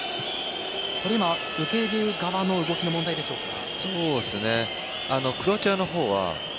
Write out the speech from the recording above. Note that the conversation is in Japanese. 今、受ける側の動きの問題でしょうか。